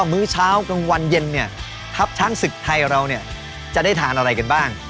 มื้อเช้ากลางวันเย็นเนี่ยทัพช้างศึกไทยเราเนี่ยจะได้ทานอะไรกันบ้าง